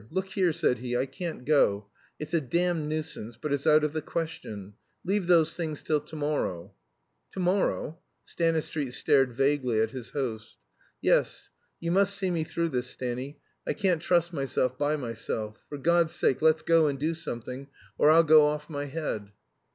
"Look here," said he, "I can't go. It's a damned nuisance, but it's out of the question. Leave those things till to morrow." "To morrow?" Stanistreet stared vaguely at his host. "Yes; you must see me through this, Stanny. I can't trust myself by myself. For God's sake let's go and do something, or I'll go off my head."